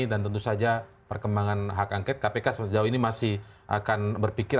dan tentu saja perkembangan hak angket kpk sejauh ini masih akan berpikir